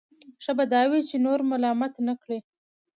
ښه به دا وي چې نور ملامته نه کړي.